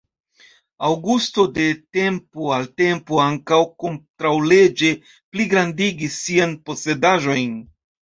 Aŭgusto de tempo al tempo ankaŭ kontraŭleĝe pligrandigis sian posedaĵojn.